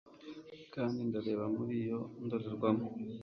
Kandi ndareba muri iyo ndorerwamo